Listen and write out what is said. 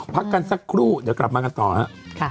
พักกันสักครู่เดี๋ยวกลับมากันต่อครับ